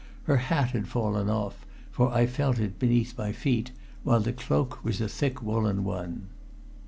Her hat had fallen off, for I felt it beneath my feet, while the cloak was a thick woolen one.